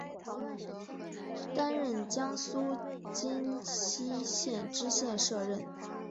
担任江苏荆溪县知县摄任。